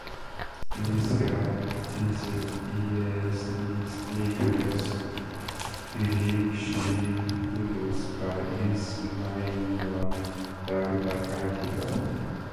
Izskatīsim iesniegtos priekšlikumus par izmaiņām darba kārtībā.